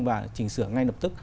và chỉnh sửa ngay lập tức